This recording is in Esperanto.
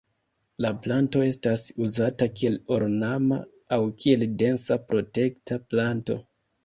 La planto estas uzata kiel ornama aŭ kiel densa protekta planto.